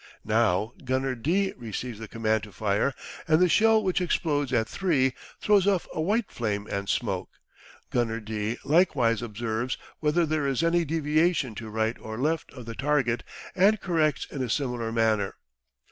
Now gunner D receives the command to fire and the shell which explodes at 3 throws off a white flame and smoke. Gunner D likewise observes whether there is any deviation to right or left of the target and corrects in a similar manner.